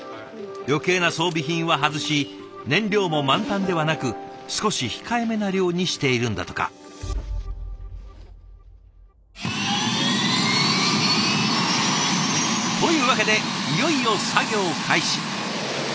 余計な装備品は外し燃料も満タンではなく少し控えめな量にしているんだとか。というわけでいよいよ作業開始。